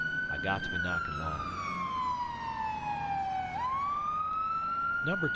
I got ter be knockin' long." II.